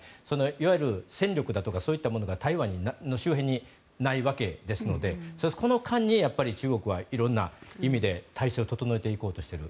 いわゆる戦力だとかそういったものが台湾周辺にないわけですのでこの間に中国は色んな意味で体制を整えていこうとしている。